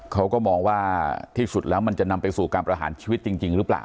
เขาก็มองว่าที่สุดแล้วมันจะนำไปสู่การประหารชีวิตจริงหรือเปล่า